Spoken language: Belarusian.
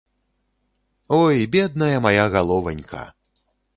Ой, бедная мая галованька!